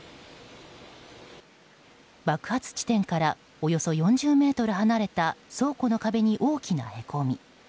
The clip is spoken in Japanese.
爆発地点からおよそ４０ｍ離れた倉庫の壁に大きなへこみ。